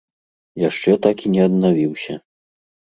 Яшчэ так і не аднавіўся.